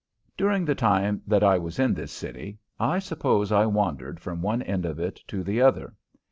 During the time that I was in this city I suppose I wandered from one end of it to the other.